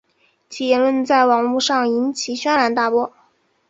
其言论在网路上引起轩然大波。